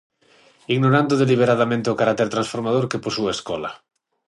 Ignorando deliberadamente o carácter transformador que posúe a escola.